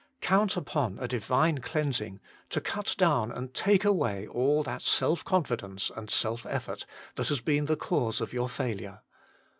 Count upon a Divine cleansing, to cut down and take away all that self confidence and self effort, that has been the cause of your failure.